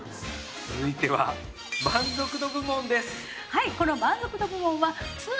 続いては満足度部門です。